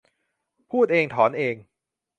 พูดเองถอนเอง